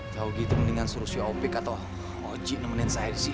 jauh gitu mendingan suruh si opek atau oji nemenin saya disini